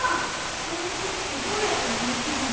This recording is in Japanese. そういうときってどうやって乗り切るの？